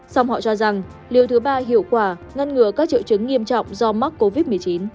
xong họ cho rằng liều thứ ba hiệu quả ngăn ngừa các triệu chứng nghiêm trọng do mắc covid một mươi chín